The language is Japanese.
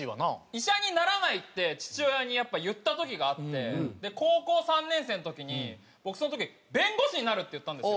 医者にならないって父親にやっぱ言った時があって高校３年生の時に僕その時「弁護士になる」って言ったんですよ。